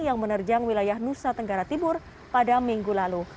yang menerjang wilayah nusa tenggara tibur pada minggu lalu